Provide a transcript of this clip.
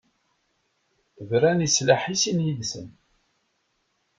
Bran i slaḥ i sin yid-sen.